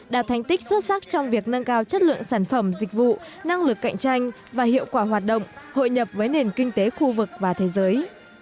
đạt thành tích xuất sắc trong việc nâng cao chất lượng sản phẩm dịch vụ năng lực cạnh tranh và hiệu quả hoạt động hội nhập với nền kinh tế khu vực và thế giới